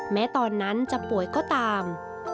แม้ตอนนั้นจะป่วยก็ตาม